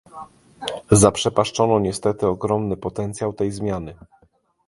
Zaprzepaszczono niestety ogromy potencjał tej zmiany